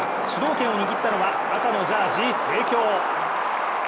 主導権を握ったのは赤のジャージー、帝京。